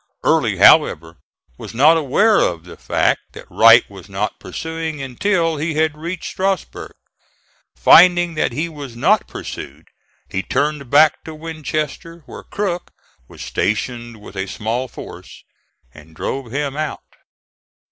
Early, however, was not aware of the fact that Wright was not pursuing until he had reached Strasburg. Finding that he was not pursued he turned back to Winchester, where Crook was stationed with a small force, and drove him out.